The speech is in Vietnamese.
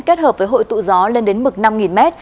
kết hợp với hội tụ gió lên đến mực năm m